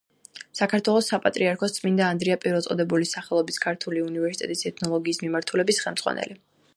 საქართველოს საპატრიარქოს წმიდა ანდრია პირველწოდებულის სახელობის ქართული უნივერსიტეტის ეთნოლოგიის მიმართულების ხელმძღვანელი.